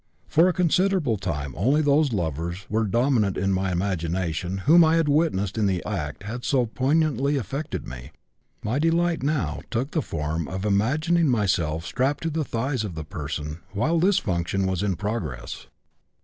"For a considerable time only those lovers were dominant in my imagination whom I had witnessed in the act that had so poignantly affected me. My delight now took the form of imagining myself strapped to the thighs of the person while this function was in progress.